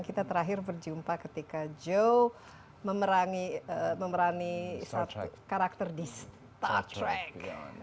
dan kita terakhir berjumpa ketika joe memerangi karakter di star trek